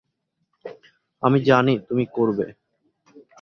আমি জানি তুমি করবে।